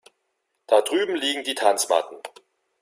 Da drüben liegen die Tanzmatten.